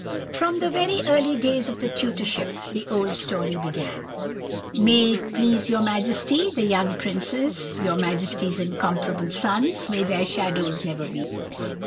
"From very early days of the tutorship, the old story began:— "'May it please your Majesty, the young princes, your Majesty's incomparable sons—may their shadows never be less!